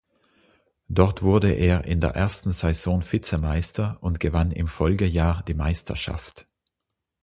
Dort wurde er in der ersten Saison Vizemeister und gewann im Folgejahr die Meisterschaft.